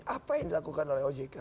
apa yang dilakukan oleh ojk